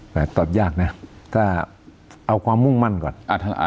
ตอบยากนะถ้าเอาความมุ่งมั่นก่อน